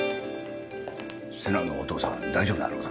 瀬那のお父さん大丈夫なのか？